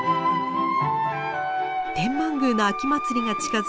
天満宮の秋祭りが近づき